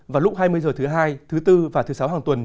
vào lúc hai mươi h thứ hai thứ bốn và thứ sáu hàng tuần